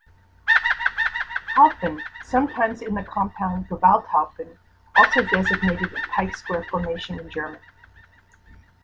"Haufen", sometimes in the compound "Gewalthaufen", also designated a pike square formation in German.